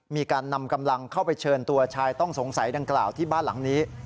มีการนำกำลังเข้าไปเชิญตัวชายต้องสงสัยดังกล่าวที่บ้านหลังนี้